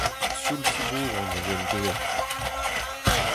Sioul-sibouron e oant deuet.